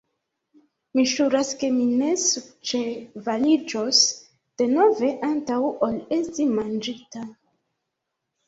Mi ĵuras, ke mi ne surĉevaliĝos denove, antaŭ ol esti manĝinta.